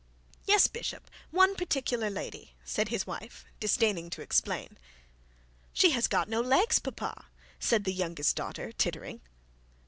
'Yes, bishop, one particular lady,' said his wife, disdaining to explain. 'She has got no legs, papa,' said the youngest daughter, tittering.